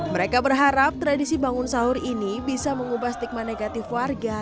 mereka berharap tradisi bangun sahur ini bisa mengubah stigma negatif warga